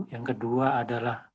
yang kedua adalah